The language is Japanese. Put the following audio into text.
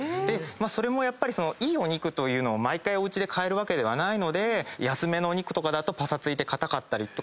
それもやっぱりいいお肉を毎回おうちで買えるわけではないので安めのお肉とかだとぱさついて硬かったりとか。